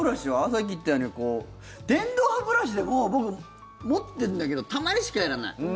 さっき言ったように電動歯ブラシでも、僕持っているんだけどたまにしかやらない。